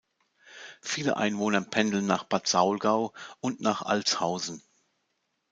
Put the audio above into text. Viele Einwohner pendeln nach Bad Saulgau und nach Altshausen.